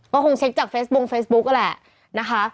ก็คงเช็คจากเฟสบงเฟซบุ๊กนั่นแหละนะคะ